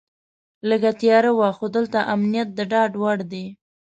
لږه تیاره وه خو دلته امنیت د ډاډ وړ دی.